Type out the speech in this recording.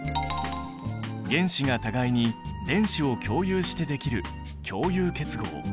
原子が互いに電子を共有してできる共有結合。